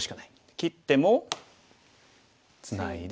切ってもツナいで。